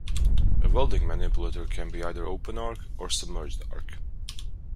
A welding manipulator can be either open arc or submerged arc.